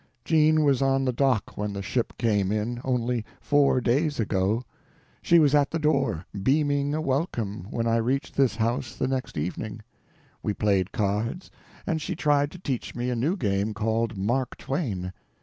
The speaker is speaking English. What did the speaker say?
Jean was on the dock when the ship came in, only four days ago. She was at the door, beaming a welcome, when I reached this house the next evening. We played cards, and she tried to teach me a new game called "Mark Twain."